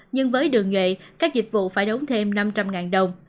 nhưng với đường nhuệ các dịch vụ phải đóng thêm năm trăm linh đồng